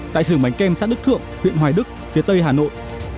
tại sửa bánh kem sát đức thượng huyện hoài đức phía tây hà nội